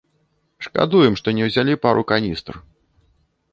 Шкадуем, што не ўзялі пару каністр.